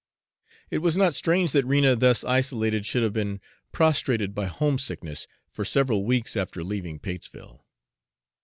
It was not strange that Rena, thus isolated, should have been prostrated by homesickness for several weeks after leaving Patesville.